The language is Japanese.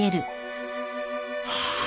ああ！